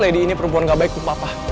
lady ini perempuan gak baik untuk papa